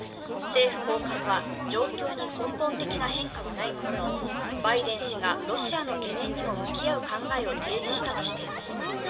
政府高官は状況に根本的な変化はないものの、バイデン氏がロシアの懸念にも向き合う考えを提示したとしています。